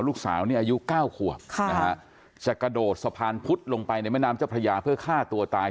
ลูกสาวนี่อายุ๙ขวบจะกระโดดสะพานพุดลงไปในแม่น้ำเจ้าพระยาเพื่อฆ่าตัวตาย